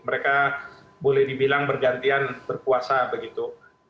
mereka boleh dibilang bergantian berpuasa begitu